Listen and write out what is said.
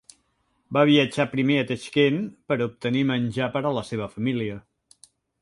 Va viatjar primer a Taixkent per obtenir menjar per a la seva família.